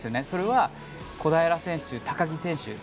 それは小平選手、高木選手